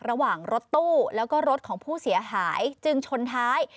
ระหว่างรถตู้แล้วก็รถของผู้เสียหายจึงชนท้าย